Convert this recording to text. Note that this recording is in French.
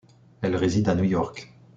Elle réside à New York.